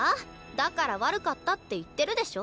だから悪かったって言ってるでしょ。